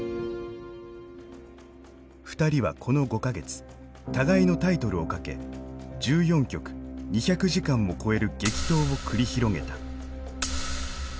２人はこの５か月互いのタイトルをかけ１４局２００時間を超える激闘を繰り広げた。